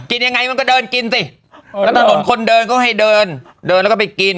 ยังไงมันก็เดินกินสิแล้วถนนคนเดินก็ให้เดินเดินแล้วก็ไปกิน